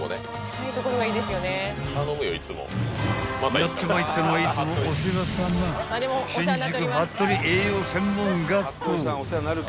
［やってまいったのはいつもお世話さま新宿服部栄養専門学校］